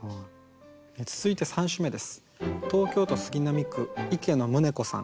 続いて３首目です。